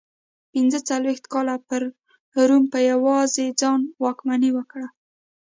پنځه څلوېښت کاله پر روم په یوازې ځان واکمني وکړه